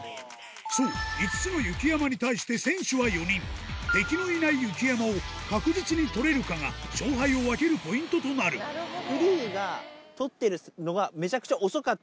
そう５つの雪山に対して選手は４人敵のいない雪山を確実に取れるかが勝敗を分けるポイントとなるそうそうだから。